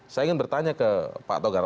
saya ingin bertanya ke pak togar